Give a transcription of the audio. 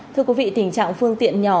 thưa quý vị tình trạng phương tiện nhỏ